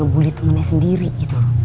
bully temannya sendiri gitu